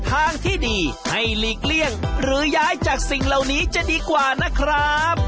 ทางที่ดีให้หลีกเลี่ยงหรือย้ายจากสิ่งเหล่านี้จะดีกว่านะครับ